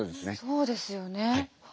そうですよね。